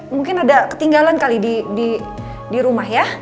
mungkin ada ketinggalan kali di rumah ya